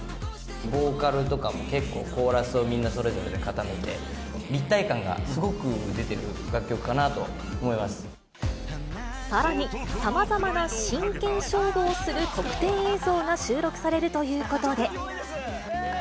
ボーカルとかも、結構コーラスをみんなそれぞれで固めて、立体感がすごく出てる楽さらに、さまざまな真剣勝負をする特典映像が収録されるということで。